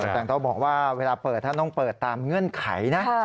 แต่ต้องบอกว่าเวลาเปิดท่านต้องเปิดตามเงื่อนไขนะ